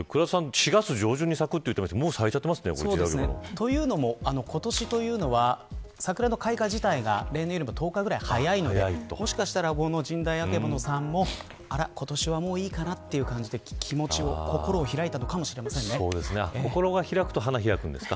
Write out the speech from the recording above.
４月上旬に咲くっていってましたがというのも、今年というのは桜の開花自体が例年より１０日ぐらい早いのでもしかしたらこのジンダイアケボノさんも今年はもういいかなという感じで心が開くと花開くんですか。